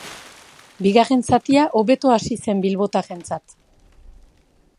Bigarren zatia hobeto hasi zen bilbotarrentzat.